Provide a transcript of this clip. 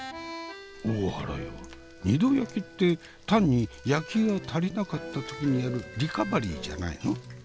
大原よ二度焼きって単に焼きが足りなかった時にやるリカバリーじゃないの？